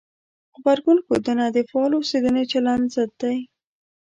غبرګون ښودنه د فعال اوسېدنې چلند ضد دی.